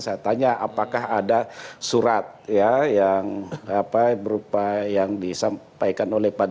saya tanya apakah ada surat ya yang berupa yang disampaikan oleh pak jokowi